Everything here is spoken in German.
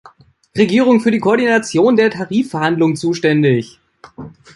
Regierung für die Koordination der Tarifverhandlungen zuständig.